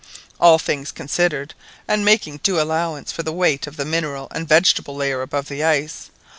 All things considered, and making due allowance for the weight of the mineral and vegetable layer above the ice.